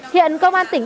hiện công an tỉnh